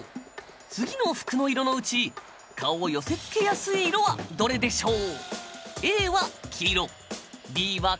次の服の色のうち蚊を寄せつけやすい色はどれでしょう？